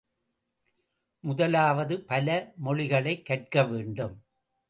முதலாவது, பல மொழிகளைக் கற்கவேண்டும்.